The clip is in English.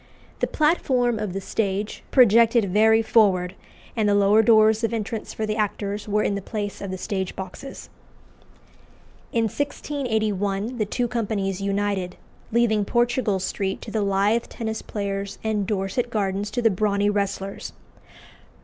The platform of the stage projected very forward, and the lower doors of entrance for the actors were in the place of the stage boxes. In 1681 the two companies united, leaving Portugal Street to the lithe tennis players and Dorset Gardens to the brawny wrestlers.